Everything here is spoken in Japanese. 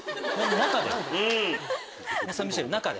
中で？